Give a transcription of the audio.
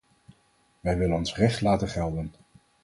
Wij willen ons recht laten gelden.